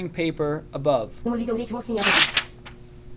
И мы ведем речь вовсе не об этом.